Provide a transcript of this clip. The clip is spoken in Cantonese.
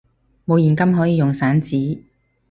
冇現金可以用散紙！